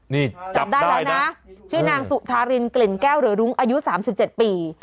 นี่จับได้แล้วนะชื่อนางสุธารินกลิ่นแก้วหรือรุ้งอายุ๓๗ปี